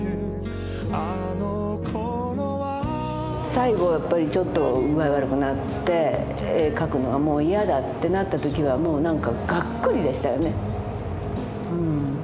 最後やっぱりちょっと具合悪くなって絵描くのはもう嫌だってなった時はもうなんかがっくりでしたよね。